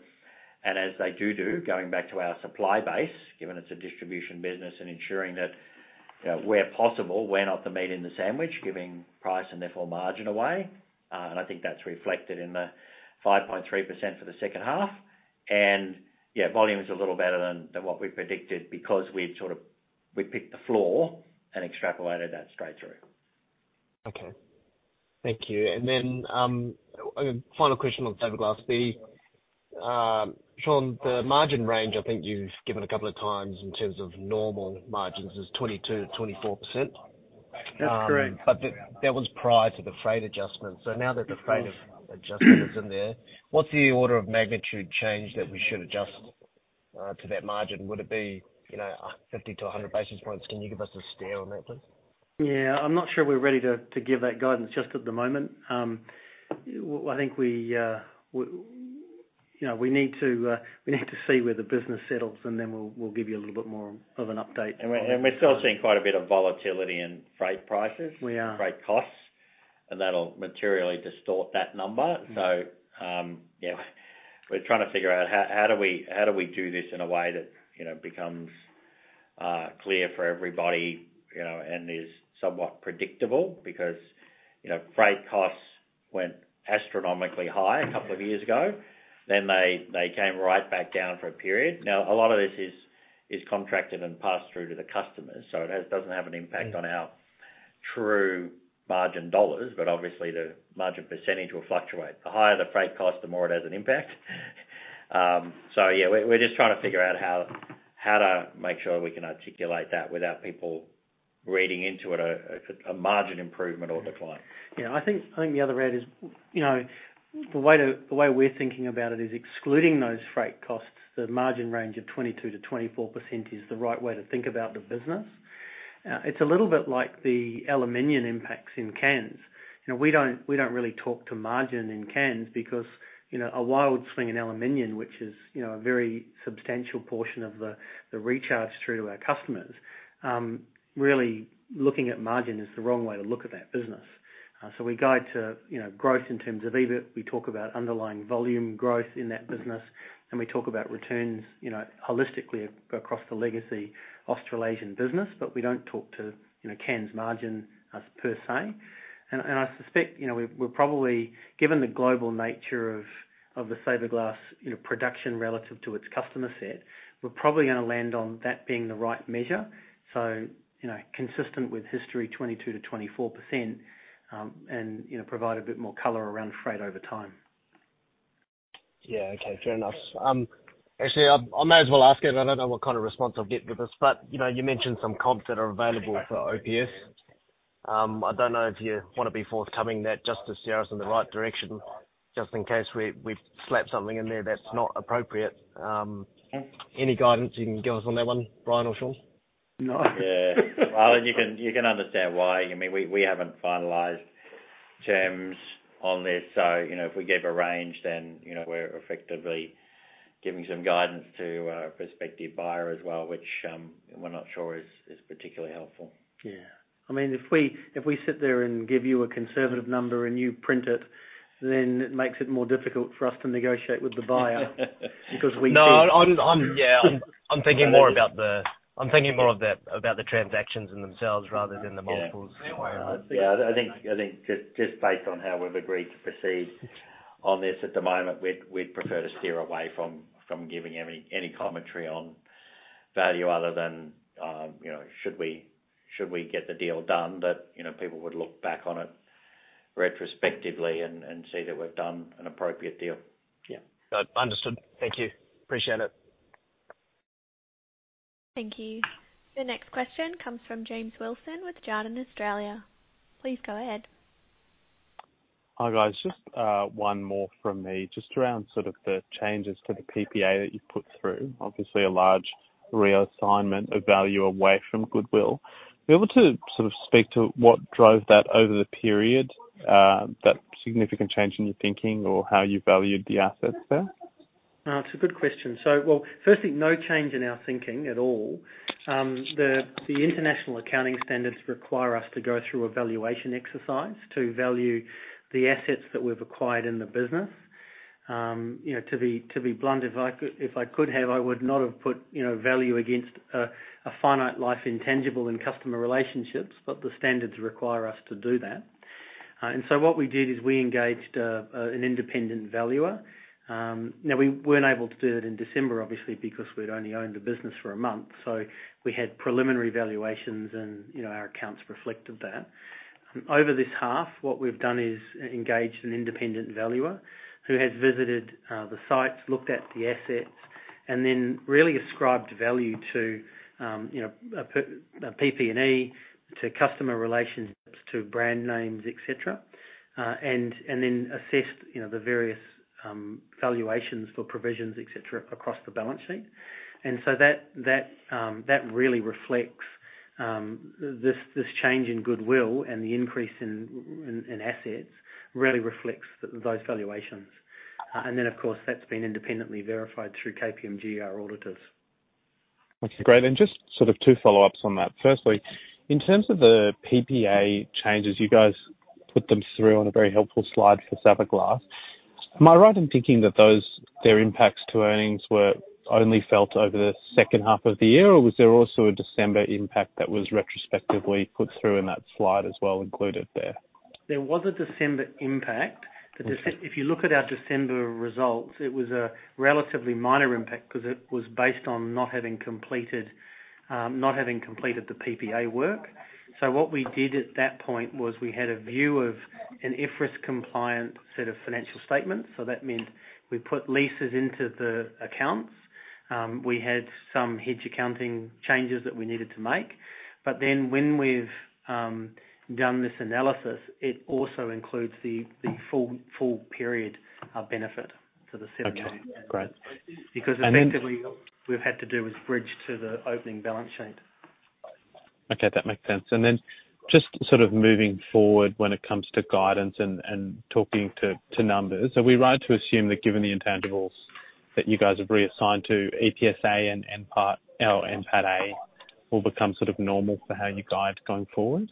as they do, going back to our supply base, given it's a distribution business and ensuring that, you know, where possible, we're not the meat in the sandwich, giving price and therefore margin away. And I think that's reflected in the 5.3% for the second half. And yeah, volume is a little better than what we predicted because we'd So, rt of, we picked the floor and extrapolated that straight through. Okay. Thank you. And then, final question on the fiberglass business. Sean, the margin range, I think you've given a couple of times in terms of normal margins is 22%-24%? That's correct. But that was prior to the freight adjustment. Of course. So now that the freight adjustment is in there, what's the order of magnitude change that we should adjust to that margin? Would it be, you know, 50-100 basis points? Can you give us a steer on that, please? Yeah. I'm not sure we're ready to give that guidance just at the moment. I think we, you know, we need to see where the business settles, and then we'll give you a little bit more of an update. We're still seeing quite a bit of volatility in freight prices- We are. freight costs, and that'll materially distort that number. Mm. Yeah, we're trying to figure out how do we, how do we do this in a way that, you know, becomes clear for everybody, you know, and is So, mewhat predictable? Because, you know, freight costs went astronomically high a couple of years ago. Mm. Then they came right back down for a period. Mm. Now, a lot of this is contracted and passed through to the customers, So, it doesn't have an impact. Mm -on our true margin dollars, but obviously the margin percentage will fluctuate. The higher the freight cost, the more it has an impact. So, yeah, we're just trying to figure out how to make sure we can articulate that without people reading into it a margin improvement or decline. Yeah, I think the other way is, you know, the way we're thinking about it is excluding those freight costs, the margin range of 22%-24% is the right way to think about the business. It's a little bit like the aluminum impacts in Cairns. You know, we don't really talk to margin in Cairns because, you know, a wild swing in aluminum, which is, you know, a very substantial portion of the recharge through to our customers, really, looking at margin is the wrong way to look at that business. So, we guide to, you know, growth in terms of EBIT. We talk about underlying volume growth in that business, and we talk about returns, you know, holistically across the legacy Australasian business, but we don't talk to, you know, Cairns margin per se. I suspect, you know, we're probably, given the global nature of Saverglass, you know, production relative to its customer set, we're probably gonna land on that being the right measure. So, you know, consistent with history, 22%-24%, and, you know, provide a bit more color around freight over time. Yeah, okay. Fair enough. Actually, I may as well ask it. I don't know what kind of response I'll get with this, but, you know, you mentioned So, me comps that are available for OPS. I don't know if you want to be forthcoming that just to steer us in the right direction, just in case we've slapped So, mething in there that's not appropriate. Any guidance you can give us on that one, Brian or Sean? No. Yeah. Well, you can, you can understand why. I mean, we, we haven't finalized terms on this, So, you know, if we give a range, then, you know, we're effectively giving So, me guidance to a prospective buyer as well, which, we're not sure is, is particularly helpful. Yeah. I mean, if we sit there and give you a conservative number and you print it, then it makes it more difficult for us to negotiate with the buyer, because we No, yeah, I'm thinking more about the transactions in themselves rather than the multiples. Yeah. Mm-hmm. Yeah, I think just based on how we've agreed to proceed on this at the moment, we'd prefer to steer away from giving any commentary on value other than, you know, should we get the deal done, that you know, people would look back on it retrospectively and say that we've done an appropriate deal. Yeah. Good. Understood. Thank you. Appreciate it. Thank you. The next question comes from James Wilson with Jarden Australia. Please go ahead. Hi, guys. Just, one more from me, just around So, rt of the changes to the PPA that you've put through. Obviously, a large reassignment of value away from goodwill. Be able to So, rt of speak to what drove that over the period, that significant change in your thinking or how you valued the assets there?... No, it's a good question. So, well, firstly, no change in our thinking at all. The international accounting standards require us to go through a valuation exercise to value the assets that we've acquired in the business. You know, to be blunt, if I could have, I would not have put, you know, value against a finite life intangible in customer relationships, but the standards require us to do that. And So, what we did is we engaged an independent valuer. Now we weren't able to do that in December, obviously, because we'd only owned the business for a month, So, we had preliminary valuations and, you know, our accounts reflected that. Over this half, what we've done is engaged an independent valuer who has visited the sites, looked at the assets, and then really ascribed value to, you know, a PP&E, to customer relationships, to brand names, et cetera. And then assessed, you know, the various valuations for provisions, et cetera, across the balance sheet. And So, that really reflects this change in goodwill and the increase in assets, really reflects those valuations. And then, of course, that's been independently verified through KPMG, our auditors. Okay, great. And just So, rt of two follow-ups on that. Firstly, in terms of the PPA changes, you guys put them through on a very helpful slide for Sapphire Glass. Am I right in thinking that those, their impacts to earnings were only felt over the second half of the year? Or was there also a December impact that was retrospectively put through in that slide as well included there? There was a December impact. Okay. If you look at our December results, it was a relatively minor impact 'cause it was based on not having completed the PPA work. So, what we did at that point was we had a view of an IFRS compliant set of financial statements, So, that meant we put leases into the accounts. We had So, me hedge accounting changes that we needed to make, but then when we've done this analysis, it also includes the full period benefit to the seventh. Okay, great. And then- Because effectively, we've had to do is bridge to the opening balance sheet. Okay, that makes sense. And then just So, rt of moving forward when it comes to guidance and, and talking to, to numbers. Are we right to assume that given the intangibles that you guys have reassigned to EPSA and, and Part L and Part A, will become So, rt of normal for how you guide going forward?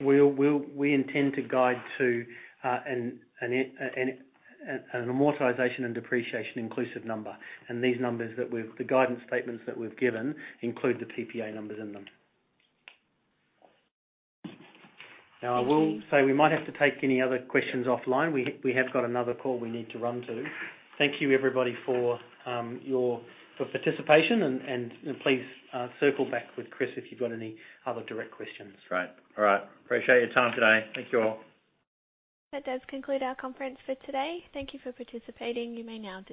We intend to guide to an amortization and depreciation inclusive number. These numbers, the guidance statements that we've given, include the PPA numbers in them. Now, I will say we might have to take any other questions offline. We have got another call we need to run to. Thank you, everybody, for your participation and please circle back with Chris if you've got any other direct questions. Great. All right. Appreciate your time today. Thank you all. That does conclude our conference for today. Thank you for participating. You may now disconnect.